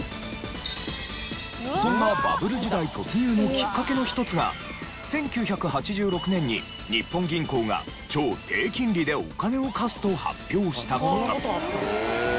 そんなバブル時代突入のきっかけの一つが１９８６年に日本銀行が「超低金利でお金を貸す」と発表した事。